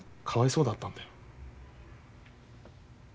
かわいそうだったんだよ。